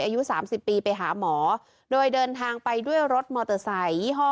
อายุ๓๐ปีไปหาหมอโดยเดินทางไปด้วยรถมอเตอร์ไซคยี่ห้อ